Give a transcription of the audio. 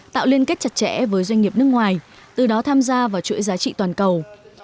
tạo liên kết chặt chẽ với doanh nghiệp nước ngoài từ đó tham gia vào chuỗi giá trị toàn cầu